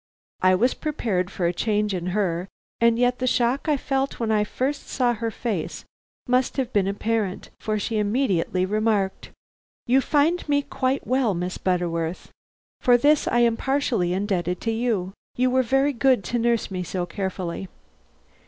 I was prepared for a change in her, and yet the shock I felt when I first saw her face must have been apparent, for she immediately remarked: "You find me quite well, Miss Butterworth. For this I am partially indebted to you. You were very good to nurse me so carefully.